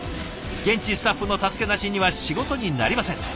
現地スタッフの助けなしには仕事になりません。